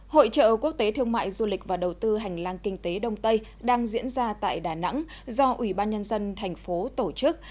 hội trợ quốc tế thương mại du lịch và đầu tư hành lang kinh tế đông tây đang diễn ra tại đà nẵng do ủy ban nhân dân thành phố tổ chức